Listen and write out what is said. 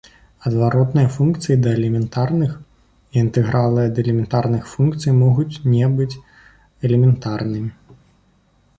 Адваротныя функцыі да элементарных і інтэгралы ад элементарных функцый могуць не быць элементарнымі.